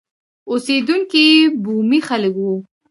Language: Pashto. اوسېدونکي یې بومي خلک وو.